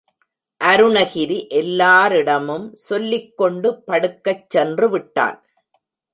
அருணகிரி எல்லாரிடமும் சொல்லிக் கொண்டு படுக்கச் சென்று விட்டான்.